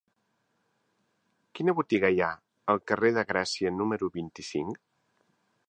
Quina botiga hi ha al carrer de Gràcia número vint-i-cinc?